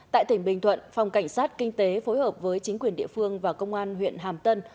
tại tỉnh bình thuận phòng cảnh sát kinh tế phối hợp với chính quyền địa phương và công an huyện hàm tân